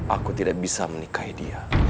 aku tidak bisa menikahi dia